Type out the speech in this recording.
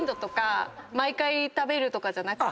毎回食べるとかじゃなくて。